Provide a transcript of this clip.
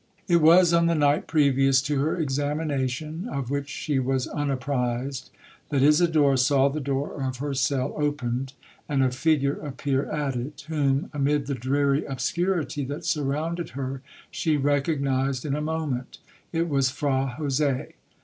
'It was on the night previous to her examination, (of which she was unapprized), that Isidora saw the door of her cell opened, and a figure appear at it, whom, amid the dreary obscurity that surrounded her, she recognized in a moment,—it was Fra Jose.